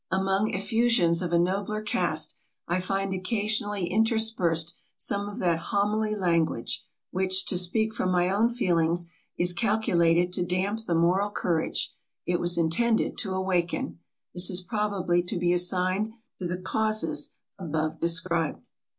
Among effusions of a nobler cast, I find occasionally interspersed some of that homily language, which, to speak from my own feelings, is calculated to damp the moral courage, it was intended to awaken. This is probably to be assigned to the causes above described.